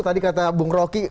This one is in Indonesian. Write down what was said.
tadi kata bung roky